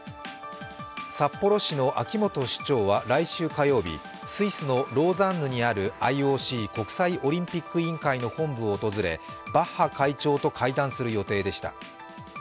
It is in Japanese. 札幌市の秋元市長は来週火曜日スイスのローザンヌにあるＩＯＣ＝国際オリンピック委員会の本部を訪れバッハ会長と会談する予定でした。